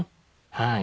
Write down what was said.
はい。